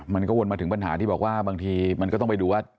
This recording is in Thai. มันก็วนมาถึงปัญหาที่บอกว่าบางทีมันก็ต้องไปดูว่า